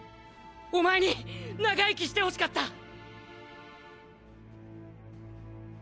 お前に長生きしてほしかった！